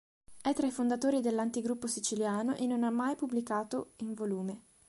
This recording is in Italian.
È tra i fondatori dell’"Antigruppo Siciliano" e non ha mai pubblicato in volume.